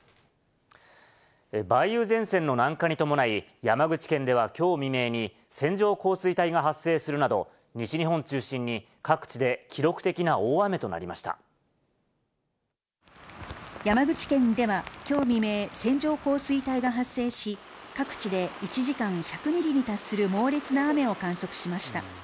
梅雨前線の南下に伴い、山口県ではきょう未明に、線状降水帯が発生するなど、西日本中心に各地で記録的な大雨山口県ではきょう未明、線状降水帯が発生し、各地で１時間１００ミリに達する猛烈な雨を観測しました。